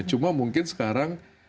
cuma mungkin sekarang